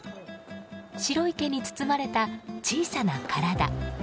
白い毛に包まれた、小さな体。